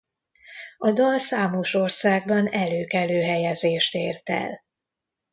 A dal számos országban előkelő helyezést ért el.